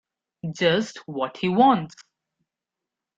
Just what he wants.